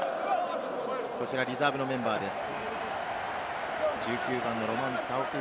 こちら、リザーブのメンバーです。